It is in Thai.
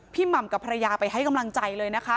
หม่ำกับภรรยาไปให้กำลังใจเลยนะคะ